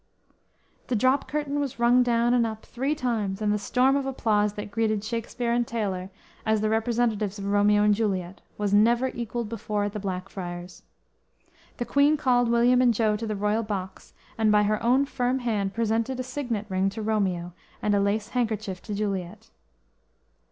"_ The drop curtain was rung down and up three times, and the storm of applause that greeted Shakspere and Taylor, as the representatives of Romeo and Juliet, was never equaled before at the Blackfriars. The Queen called William and Jo to the royal box and by her own firm hand presented a signet ring to Romeo and a lace handkerchief to Juliet!